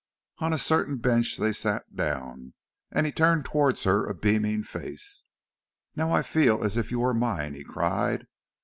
On a certain bench they sat down, and he turned towards her a beaming face. "Now I feel as if you were mine," he cried.